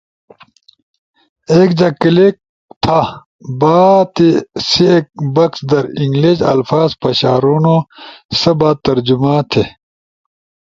ایک جے کلک تھے باں تیسی ایک بکس در انلگش الفاظ پشارونو سا با ترجمہ تھے۔